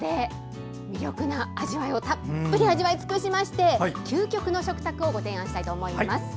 ここでたっぷり味わいつくしまして究極の食卓をご提案したいと思います。